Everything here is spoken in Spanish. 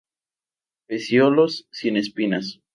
Pecíolos sin espinas.